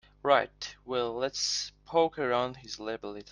Right, well let's poke around his lab a little.